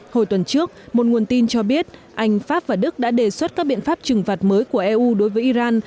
hồi tuần trước một nguồn tin cho biết anh pháp và đức đã đề xuất các biện pháp trừng phạt mới của eu đối với iran